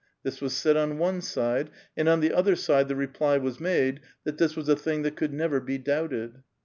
This was said on one side ; and on the other side the reply was made that this was a thing that could never be doubted.